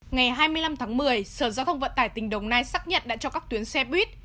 ngày hai mươi năm tháng một mươi sở giao thông vận tải tp hcm xác nhận đã cho các tuyến xe buýt